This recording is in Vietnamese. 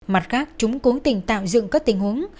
mặt khác chúng cố tình tạo dựng các tình huống